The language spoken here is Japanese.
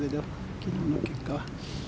昨日の結果は。